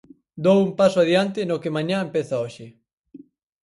Dou un paso adiante no que mañá empeza hoxe.